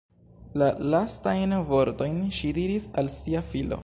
La lastajn vortojn ŝi diris al sia filo.